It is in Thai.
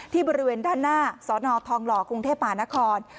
บริเวณด้านหน้าสนทองหล่อกรุงเทพมหานคร